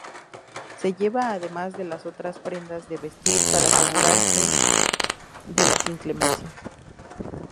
Se lleva además de las otras prendas de vestir para asegurarse de las inclemencias.